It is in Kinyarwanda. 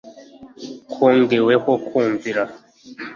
kongeweho kumvira